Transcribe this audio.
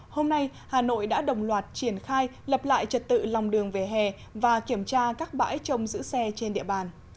hôm nay hà nội đã đồng loạt triển khai lập lại trật tự lòng đường về hè và kiểm tra các bãi trồng giữ xe trên địa bàn